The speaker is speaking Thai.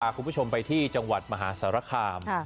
ขอบพระคุณผู้ชมไปจังหวัดมหาสรรคาม